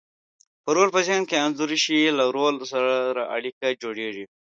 که رول په ذهن کې انځور شي، له رول سره اړیکه جوړیږي.